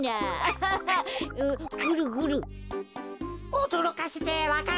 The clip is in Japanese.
おどろかせてわか蘭